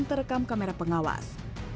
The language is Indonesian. terekam kamera pengawas